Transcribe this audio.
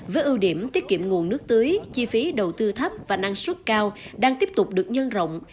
với ưu điểm tiết kiệm nguồn nước tưới chi phí đầu tư thấp và năng suất cao đang tiếp tục được nhân rộng